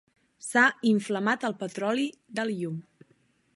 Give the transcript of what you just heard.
S'ha inflamat el petroli del llum.